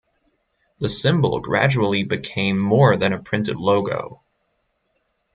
The symbol gradually became more than a printed logo.